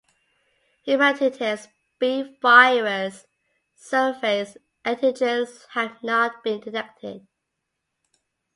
Hepatitis B virus surface antigens have not been detected.